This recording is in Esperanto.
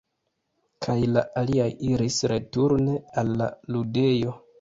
Kaj la aliaj iris returne al la ludejo.